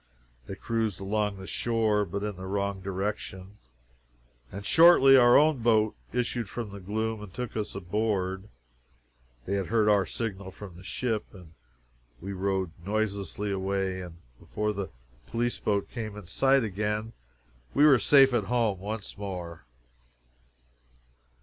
They cruised along the shore, but in the wrong direction, and shortly our own boat issued from the gloom and took us aboard. They had heard our signal on the ship. We rowed noiselessly away, and before the police boat came in sight again, we were safe at home once more.